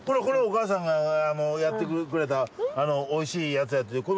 これお母さんがやってくれたおいしいやつやって。